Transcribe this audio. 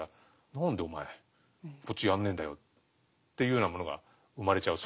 「何でお前こっちやんねえんだよ」っていうようなものが生まれちゃう。